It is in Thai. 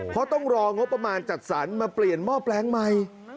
เพราะต้องรองบประมาณจัดสรรมาเปลี่ยนหม้อแปลงใหม่